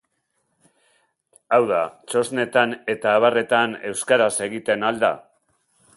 Hau da txosnetan eta abarretan euskaraz egiten al da?